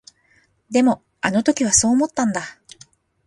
でも、あの時はそう思ったんだ。